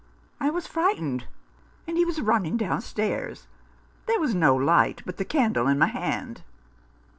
I was frightened, and he was running downstairs. There was no light but the candle in my hand."